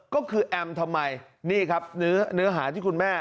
ก็คือแอมทำไมนี่ครับเนื้อหาที่คุณแม่